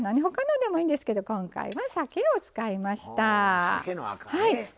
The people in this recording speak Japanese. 他のでもいいんですけど今回はさけを使いました。